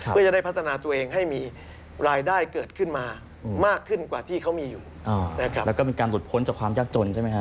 เพื่อจะได้พัฒนาตัวเองให้มีรายได้เกิดขึ้นมามากขึ้นกว่าที่เขามีอยู่นะครับแล้วก็เป็นการหลุดพ้นจากความยากจนใช่ไหมฮะ